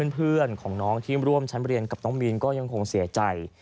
เพื่อนของน้องที่ร่วมชั้นเรียนกับน้องมีนก็ยังคงเสียใจ